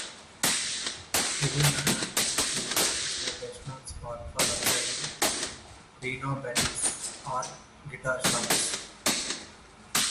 "Hirimaradhoo Thila" is the best-known spot for observing "Rhinobatids" or guitar sharks.